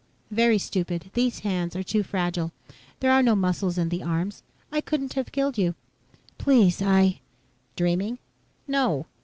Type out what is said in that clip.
"Very stupid. These hands are too fragile. There are no muscles in the arms. I couldn't have killed you." "Please I ..." "Dreaming? No.